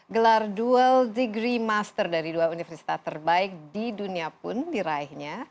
gelar dual degree master dari dua universitas terbaik di dunia pun diraihnya